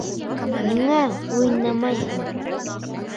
Ниңә уйнамайһың?